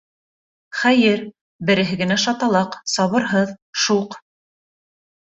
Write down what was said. Хәйер, береһе генә шаталаҡ, сабырһыҙ, шуҡ.